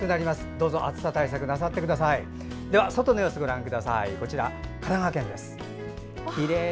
どうぞ暑さ対策なさってください。